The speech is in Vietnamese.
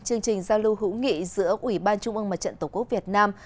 chương trình giao lưu hữu nghị giữa ủy ban trung ương mặt trận tổ quốc việt nam